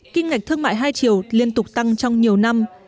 kim ngạch thương mại hai triệu liên tục tăng trong nhiều năm